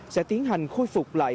sẽ tiến hành khôi phục lại